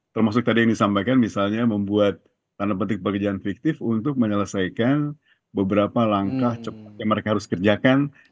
termasuk tadi yang disampaikan misalnya membuat tanda petik pekerjaan fiktif untuk menyelesaikan beberapa langkah cepat yang mereka harus kerjakan